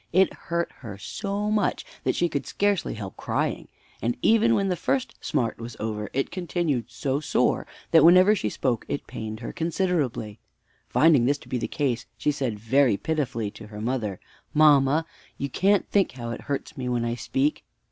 It hurt her so much that she could scarcely help crying; and even when the first smart was over, it continued so sore that whenever she spoke it pained her considerably. Finding this to be the case, she said very pitifully to her mother, "Mamma, you can't think how it hurts me when I speak!"